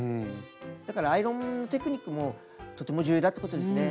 だからアイロンテクニックもとても重要だってことですね。